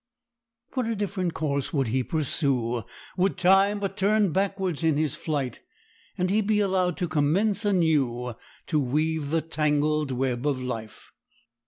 What a different course would he pursue would time but turn backwards in his flight and he be allowed to commence anew to weave the "tangled web of life."